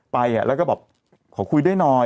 ไปอ่ะแล้วก็บอกขอคุยด้วยหน่อย